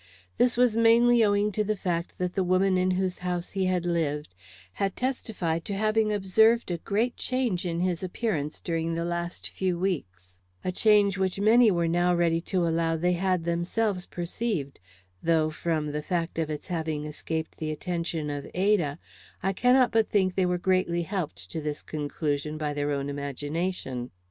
This was mainly owing to the fact that the woman in whose house he had lived had testified to having observed a great change in his appearance during the last few weeks; a change which many were now ready to allow they had themselves perceived; though, from the fact of its having escaped the attention of Ada, I cannot but think they were greatly helped to this conclusion by their own imagination.